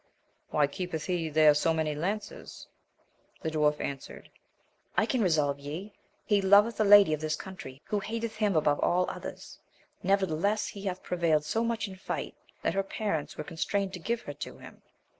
— Why keepeth he there so many lances 1 The dwarf answered, I can resolve ye : he loveth a lady of this country, who hateth him above all others ; nevertheless, he hath prevailed so much in fight that her parents were con strained to give her to him.